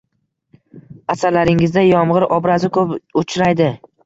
Asarlaringizda yomg‘ir obrazi ko‘p uchraydi…